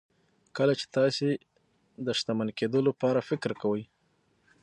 کله چې تاسې د شتمن کېدو لپاره فکر کوئ.